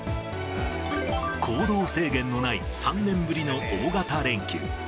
行動制限のない３年ぶりの大型連休。